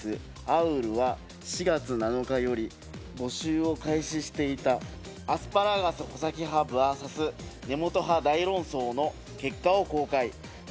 アウルは４月７日より募集を開始していたアスパラガス穂先派ｖｓ根元派大論争の結果を公開。